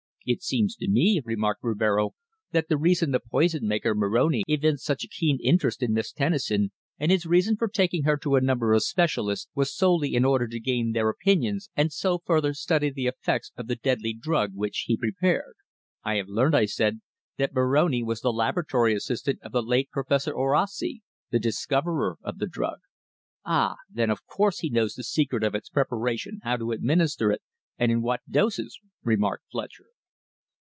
"It seems to me," remarked Rivero, "that the reason the poison maker, Moroni, evinced such a keen interest in Miss Tennison, and his reason for taking her to a number of specialists was solely in order to gain their opinions and so further study the effects of the deadly drug which he prepared." "I have learnt," I said, "that Moroni was the laboratory assistant of the late Professor Orosi, the discoverer of the drug." "Ah! Then of course he knows the secret of its preparation, how to administer it, and in what doses," remarked Fletcher.